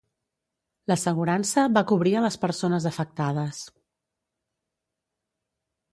L'assegurança va cobrir a les persones afectades.